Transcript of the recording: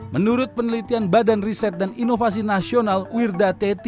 menurut penelitian badan riset dan inovasi tenggiling